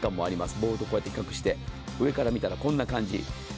ボールと比較して、上から見たらこんな感じ。